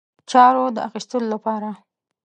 چارو د اخیستلو لپاره.